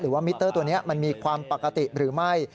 มิเตอร์ตัวนี้มันมีความปกติหรือไม่